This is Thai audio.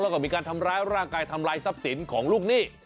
แล้วก็มีการทำร้ายร่างกายทำลายทรัพย์สินของลูกหนี้